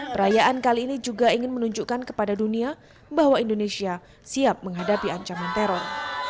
perayaan kali ini juga ingin menunjukkan kepada dunia bahwa indonesia siap menghadapi ancaman teror